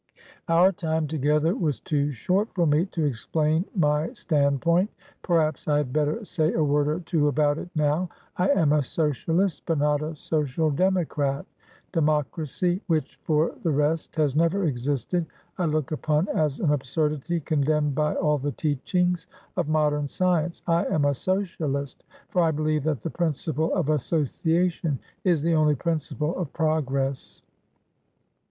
Our time together was too short for me to explain my stand point; perhaps I had better say a word or two about it now. I am a Socialistbut not a Social democrat; democracy (which, for the rest, has never existed) I look upon as an absurdity condemned by all the teachings of modern science. I am a Socialist, for I believe that the principle of association is the only principle of progress."